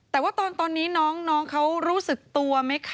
แต่ว่าตอนนี้น้องเขารู้สึกตัวไหมคะ